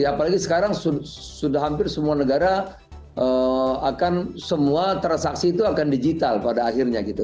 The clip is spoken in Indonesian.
apalagi sekarang sudah hampir semua negara akan semua transaksi itu akan digital pada akhirnya gitu